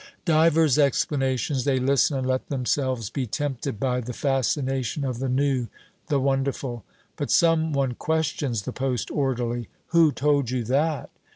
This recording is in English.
Divers exclamations. They listen, and let themselves be tempted by the fascination of the new, the wonderful. But some one questions the post orderly: "Who told you that?"